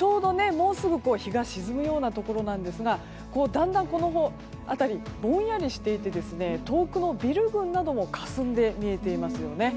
もうすぐ日が沈むところですがだんだんこの辺りぼんやりして遠くのビル群などもかすんで見えていますよね。